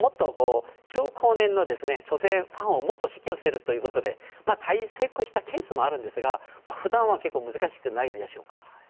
中高年の女性ファンをもっと引き寄せるということで大変成功したケースもあるんですが普段は結構難しいんじゃないでしょうか。